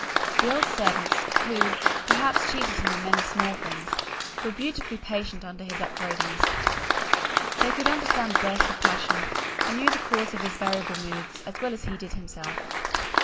The old servants, who, perhaps, cheated him in many small things, were beautifully patient under his upbraidings. They could understand bursts of passion, and knew the cause of his variable moods as well as he did himself.